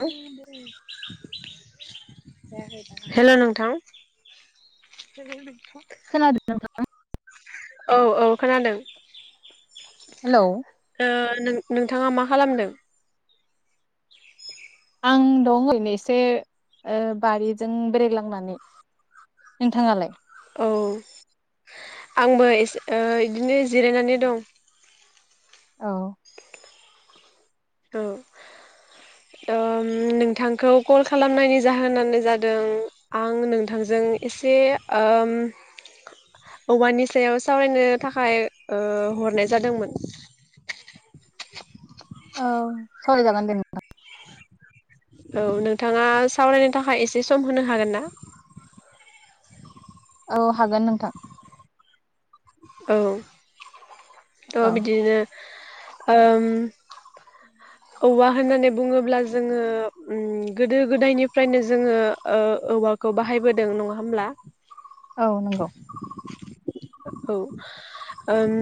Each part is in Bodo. [unintelligible] हेलौ नोंथां? खोनादों नोंथां? औ औ खोनादों हेलौ। नों नोंथाङा मा खालामदों? आं दं ओरैनो ओ एसे ओ बारिजों बेरायग्लांनानै। नोंथाङालाय? औ आंबो एसे ओ इदिनो जिरायनानै दं। औ। औ, ओ नोंथांखौ कल खालामनायनि जाहोनानो जादों आं नोंथांजों एसे ओम औवानि सायाव सावरायनो थाखाय ओ हरनाय जादोंमोन। औ सावरायजागोन दे नोंथां। औ नोंथाङा सावरायनो थाखाय एसे सम होनो हागोन ना? औ हागोन नोंथां। औ। थ' औ बिदिनो ओम औवा होननानै बुङोब्ला जोङो उम गोदो गोदायनिफ्रायनो जोङो ओ औवाखौ बाहायबोदों नङा होमब्ला? औ नंगौ। औ उम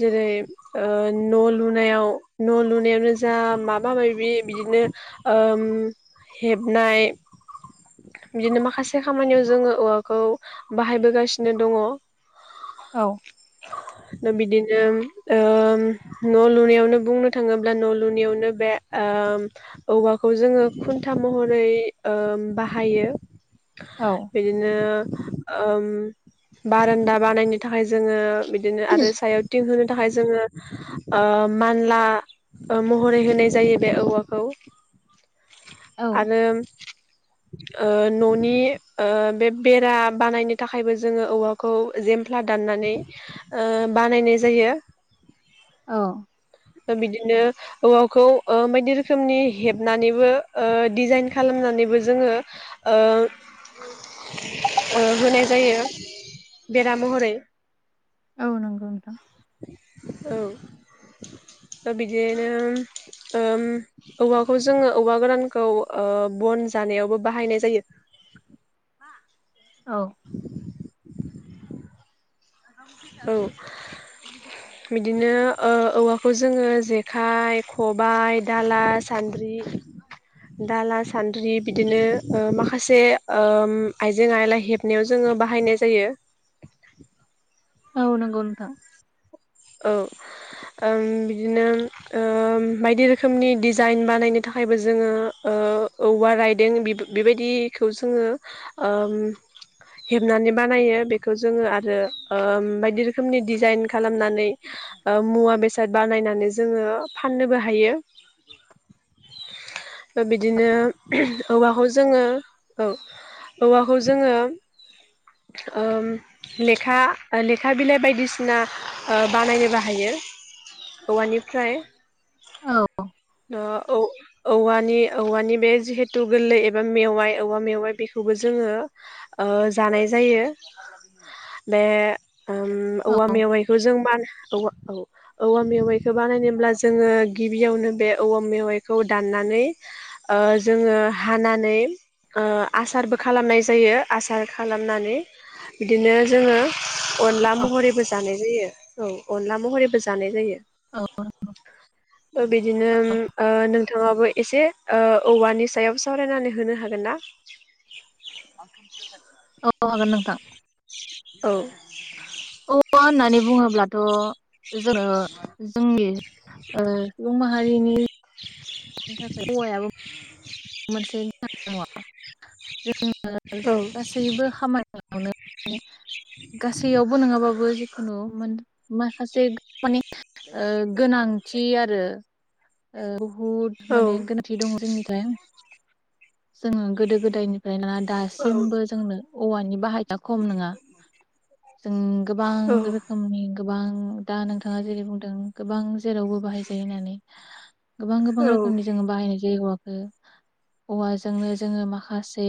जेरै ओ न' लुनायाव न' लुनायावनो जा माबा माबि बिदिनो उम हेबनाय बिदिनो माखासे खामानियाव जोङो औवाखौ बाहायबोगासिनो दङ। औ। दा बिदिनो ओ न' लुनायावनो बुंनो थाङोब्ला न' लुनायावनो बे ओम औवाखौ जोङो खुन्था महरै ओ बाहायो। औ बिदिनो ओम बारान्दा बानायनो थाखाय जोङो बिदिनो आरो सायाव थिं होनो थाखाय जोङो ओ मानला ओ मह रै होनाय जायो बे औवाखौ औ आरो ओ न'नि ओ बे बेरा बानायनो थाखायबो जोङो औवाखौ जेमफ्ला दाननानै ओ बानायनाय जायो। दा बिदिनो औवाखौ ओम बायदि रोखोमनि हेबनानैबो ओ डिजाइण्ड खालामनानैबो जोङो ओ ओ होनाय जायो बेरा महरै। औ नंगौ नोंथां। औ। बिदिनो ओम औवाखौ जोङो औवा गोरानखौ ओ बन जानायावबो बाहायनाय जायो। औ। औ बिदिनो ओ औवाखौ जोङो जेखाइ खबायाइ दाला सानद्रि दाला सान्द्रि बिदिनो ओ माखासे ओम आइजें आइला हेबनायाव जोङो बाहायनाय जायो। औ नंगौ नोंथां। औ, ओं बिदिनो ओं बायदि रोखोमनि डिजाइन बानायनो थाखायबो जोङो ओ औवा राइदिं बेब बेबायदिखौ जोङो ओम हेबनानै बानायो बेखौ जोङो आरो ओम बायदि रोखोमनि डिजाइन खालामनानै ओ मुवा बेसाद बानायनानै जोङो फाननोबो हायो। दा बिदिनो औवाखौ जोङो औ औवाखौ जोङोे ओम लेखा लेखा बिलाइ बायदिसिना ओ बानायनो बाहायो औवानिफ्राय। औ ओ औ औवानि औवानि बे जिहेथु गोरलै एबा मेवाइ औवा मेवाय बेखौबो जोङो ओ जानाय जायो बे ओ औ औवा औ मेवाय खौ जों मव औवा मेवाइखौ बानायनोब्ला जोङो गिबियावनो बे औवा मेवाइखौ दाननानै ओ जोङो हानानै आसारबो खालामनाय जायो आसार खालामनानै बिदिनो जोङो अनला महरैबो जानाय जायो औ अनला महरैबो जानाय जायो। औ ओ बिदिनो ओ थेवबाबो एसे ओ औवानि सायाव सावरायनानै होनो हागोन ना? औ हागोन नोंथां। औ औवा होननानै बुङोब्लाथ' जोङो जोंनि ओ सुबुं माहारिनि [inaudible] औ [inaudible] गासैबो खामानियावनो गासैयावबो नङाबाबो जिखुनु मोन माखासे माने ओ गोनांथि आरो औ बुहुद औ माने गोनांथि दं जोंनि [inaudible] जोङो गोदो गोदायनि ओमफ्राय ना दासिमबो जोंनो औवानि बाहाइनाया खम नङा जों औ गोबां रोखोमनि गोबां दा नोंथाङा जेरै बुंदों गोबां जेरावबो बाहायजायो होननानै गोबां गोबां रोखोमनि जोङो बाहायो बे हौवाखौ औवाजोंनो जोङो माखासे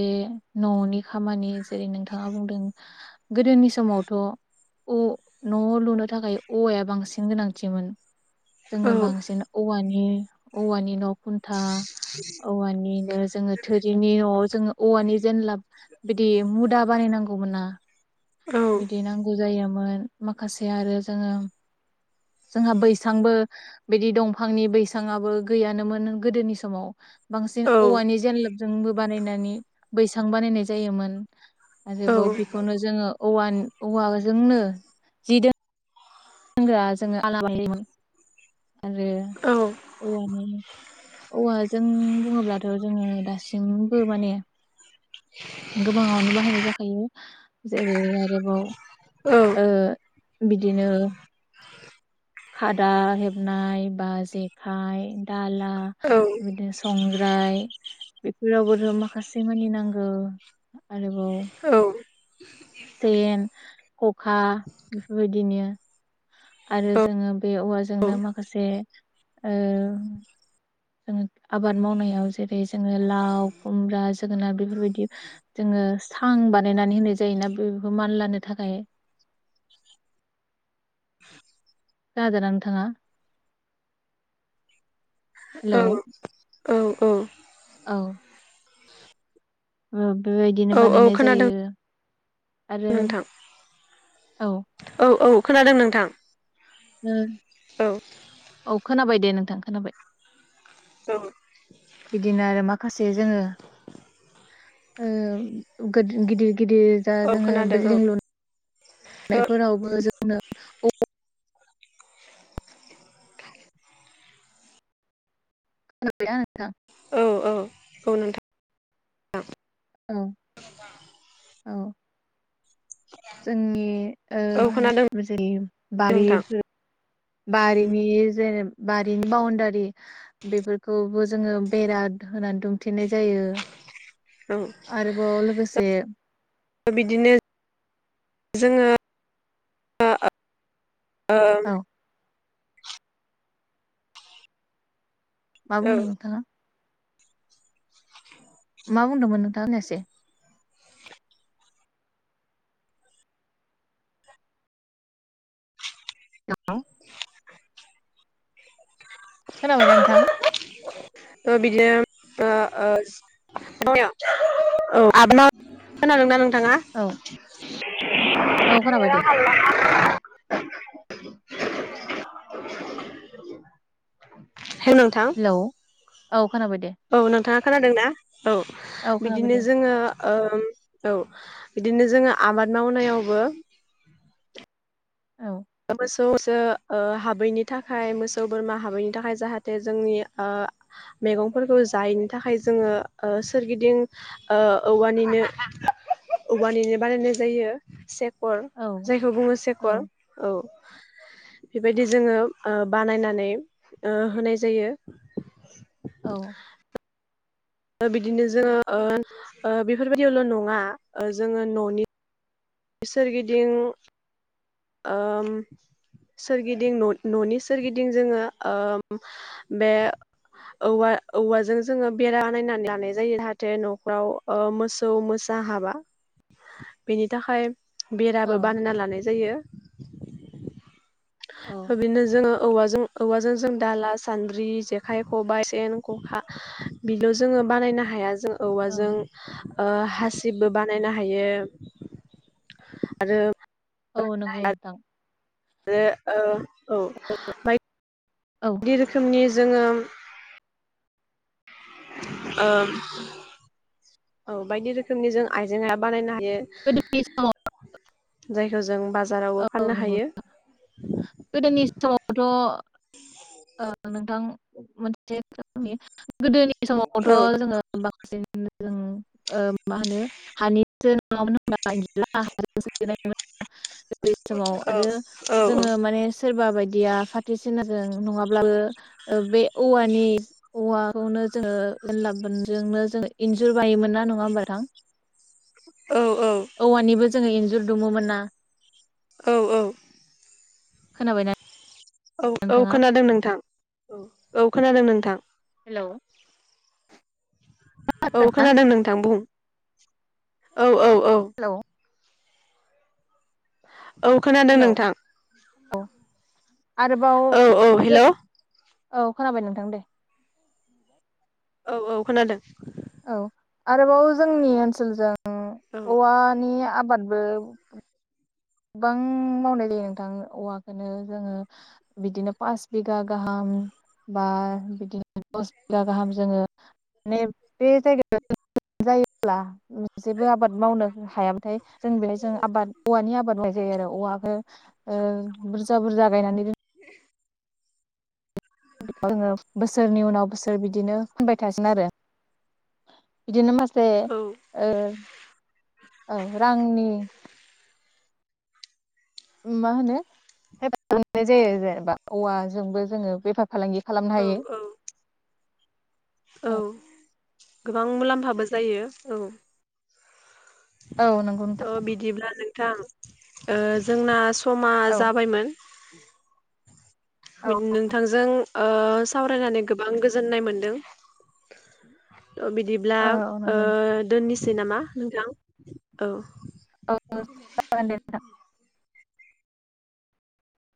न'नि खामानि जेरै नोंथाङा बुंदों गोदोनि समावथ' अ न'आव लुनो थाखाय औवाया बांसिन गोनांथिमोन जोङो बांसिन औवानि उम औवानि न' खुन्था औवानिनो जोङो थोरिनि न'आव जोङो औवानि जेनला बिदि मुदा बानायनांगौमोना औ बिदि नांगौ जायो मोन‌ माखासे आरो जोङो जोंहा बैसांबो बिदि दंफांनि बैसांआबो गैयानोमोन नों गोदोनि समाव बांसिन औवानि जेनलाबजोंबो बानायनानै बैसां बानायनाय जायोमोन। औ आरोबाव बेखौनो जोङो औव औवाजोंनो जि दो [unintelligible] आरो औ औवानि औवाजों जों बुंङोब्लाथ' जोङो दासिमबो माने गोबांङावनो बाहायनाय जाखायो जेरै आरोबाव ओ बिदिनो खादा हेबनाय बा जेखाइ दाल दा बिदिनो संग्राय बेफोरावबोथ' माखासे मानि नांगौ आरोबाव सेन खखा बेफोरबायदिनो आरो जोङो बे औवाजोंनो माखासे ओ उम आबाद मावनायाव जेरै जोङो लाव खुमब्रा जोगोनार बेफोरबायदि जोङो सां बानायनानै होनाय जायोना बेफोरखौ मान लानो थाखाय खोनादोंना नोंथाङा औ हेलौ औ औ औ ओ बेबायदिनो औ औ बानायनाय खोनादों जायो। आरो नोंथां औ औ औ खोनादों नोंथां नो औ औ खोनाबाय दे नोंथां खोनाबाय औ बिदिनो आरो मा माखासे जोङो ओ गो गिदिर गिदिर जा औ जोङो खोनादों औ बिल्डिं लुनो नायफोरावबो जो न औ [unintelligible] नोथां औ औ औ नोंथा [unintelligible] औ औ जोंनि ओ औ मा खोनादों होनो जेर बारि नोंथां [unintelligible] बारिनि जेनेब बारिनि बाउनडारि बेफोरखौबो जोङो बेरा होनानै दुमथेनाय जायो औ आरोबाव लोगोसे बिदिनो जोङो आ आ ओं औ मा बुंनो नोंथाङा? मा बुंदोंमोन नोंथां खोनायासै औ [unintelligible] [inaudible] खोनाबायना नोंथां? ओ बिदिनो ओ ओस आबा [inaudible] खोनादोंना नों थाङा [inaudible] औ औ खोनाबाय दे [unintelligible] [inaudible] हेलौ नोंथां हेलौ औ खोनाबाय दे औ नोंथाङा खोनादोंना औ औ खोनाबाय बिदिनो दे जोङो ओ औ बिदिनो जोङो आबाद मावनायावबो औ मोसौ मैसो ओ हाबैनि थाखाय मोसौ बोरमा हाबैनि थाखाय जाहाथे जोंनि ओ मैगंफोरखौ जायैनि थाखाय जोङो सोरगिदिं औवानिनो औवानिनो बानायनाय जायो से कर औ जायखौ बुङो सेकर औ औ बेबायदि जोङो ओ बानायनानै ओ होनाय जायो औ बिदिनो जोङो ओ ओ बेफोरबायदियावल' नङा जोङो न'नि सोरगिदिं ओ सोरगिदिं न'नि सोरगिदिं जोङो ओ बे औ औवाजों जोङो बेरा बानायनानै लानाय जायो जाहाथे न'फ्रराव ओ मोसौ मोसा हाबा बेनि थाखाय बेराबो औ बानायना लानाय जायो औ बिनो जोङो औवाजों औवाजों जों दाला सानद्रि जेखाइ खबाइ सेन खखा बेल' जोङो बानायनो हाया जों औवाजों ओं ओ हासिबबो बानायनो हायो आरो औ न नंगौ नोंथां आरो ओ औ ओमफ्राय औ बायदि रोखोमनि जोङो ओ औ बायदि रोखोमनि जों आइजेंआ बानायनो हायो यो गोदोनि समाव जाय होजों औ नंगौ ना गोदोनि ़सिावथ' ओ नोंथां मोनसेनि [unintelligible] गोदोनि समावथ' औ जोङो बांसिन जों मा होनो हानिसो नङामोन होनना [unintelligible] बे समाव औ आरो औ जोङो माने सोरबा बायदिया फाथेसिना जों नङाब्लाबो बे औवानि औवाखौनो जोङो लाजोंनो जो इन्जुर बायोमोन ना नङा होमब नोंथां? औ औ औवानिबो जोङो इन्जुर दुमोमोन ना औ औ खोनाबायना औ औ नोंथाङा? खोनादों नोंथां औ औ खोनादों नोंथां हेलौ औ खोनादों नोंथां बुं औ औ हेल' [inaudible] [unintelligible] औ खोनादों नोंथां अ आरोबाव औ औ जों हेलौ औ खोनाबाय नोंथां दे औ औ खोनादों औ आरोबाव जोंनि ओनसोलजों औ औवानि आबाद बो गोबां मावनाय जायो नोंथां औवाखौनो जोङो बिदिनो पास बिगा गाहाम बा बिदिनो दस बिगा गाहाम जोङो मनै बे जायगायाव जायोब्ला जेबो आबाद मावनो हायाबाथाय जों बेहाय जों आबाद औवानि आबाद जायो आरो औवाखौ बुरजा बुरजा गायनानै [inaudible] जोङो बोसोरनि उनाव बोसोर बिदिनो फानबाय थासिगोन आरो बिदिनो मास से औ ओ औ रांनि मा होनो हेफाजाब जानाय जायो जेनेबा औवाजोंबो जोङो बेफार फालांगि खालामनो औ हायो औ औ गोबां मुलाम्फाबो जायो औ औ नंगौ त नोंथां बिदिब्ला नोंथां ओ जोंना समा औ जाबायमोन [inaudible] औ नोंथांजों ओ सावरायनानै गोबां गोजोननाय मोनदों बिदिब्ला औ ओ नंगौ नोंथां। दोननोसै सै नामा नोंथां औ [inaudible] औ जागोन दे